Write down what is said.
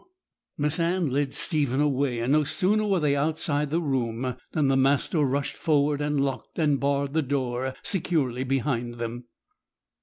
Miss Anne led Stephen away; and no sooner were they outside the room, than the master rushed forward and locked and barred the door securely behind them.